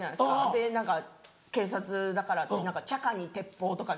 で何か警察だからって「チャカに鉄砲」とかね